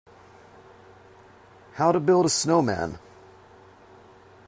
How to build a snowman.